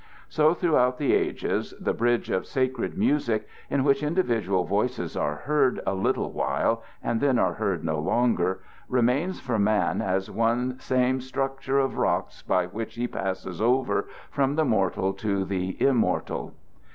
So throughout the ages the bridge of sacred music, in which individual voices are heard a little while and then are heard no longer, remains for man as one same structure of rock by which he passes over from the mortal to the immortal.